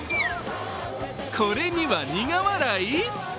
これには苦笑い？